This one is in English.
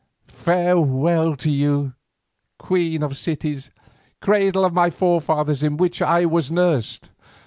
Farewell to you, queen of the cities, cradle of my forefathers in which I was nursed!"